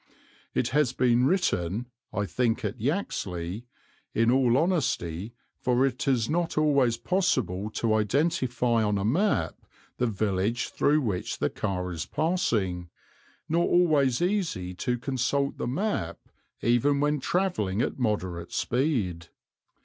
It has been written, "I think at Yaxley," in all honesty, for it is not always possible to identify on a map the village through which the car is passing, nor always easy to consult the map even when travelling at moderate speed.